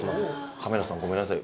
カメラさんごめんなさい。